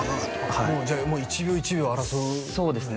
はいじゃあもう一秒一秒争うそうですね